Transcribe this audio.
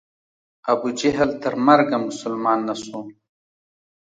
ابو جهل تر مرګه مسلمان نه سو.